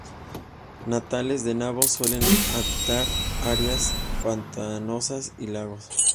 Natales de Naboo, suelen habitar áreas pantanosas y lagos.